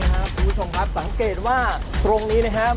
คุณผู้ชมครับสังเกตว่าตรงนี้นะครับ